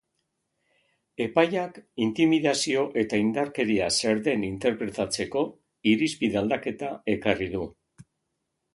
Epaiak intimidazio eta indarkeria zer den interpretatzeko irizpide aldaketa ekarri du.